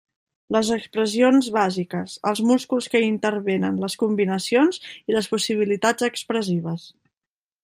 Les expressions bàsiques, els músculs que hi intervenen, les combinacions i les possibilitats expressives.